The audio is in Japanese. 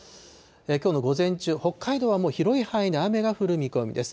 きょうの午前中、北海道はもう広い範囲で雨が降る見込みです。